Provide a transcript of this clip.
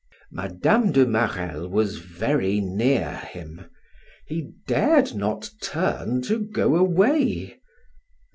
Madame de Marelle was very near him; he dared not turn to go away.